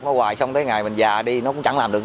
nó hoài xong tới ngày mình già đi nó cũng chẳng làm được